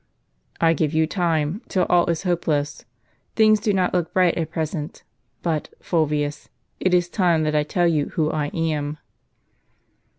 " I give you time, till all is hopeless. Things do not look bright at present. But, Fulvius, it is time that I tell you who I am."